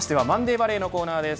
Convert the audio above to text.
バレーのコーナーです。